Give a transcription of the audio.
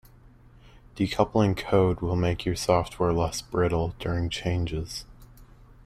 Decoupling code will make your software less brittle during changes.